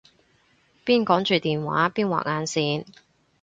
邊講住電話邊畫眼線